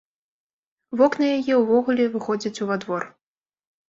Вокны яе ўвогуле выходзяць ува двор.